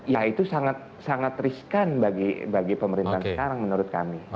ya itu sangat riskan bagi pemerintahan sekarang menurut kami